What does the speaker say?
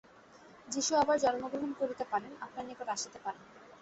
যীশু আবার জন্মগ্রহণ করিতে পারেন, আপনার নিকট আসিতে পারেন।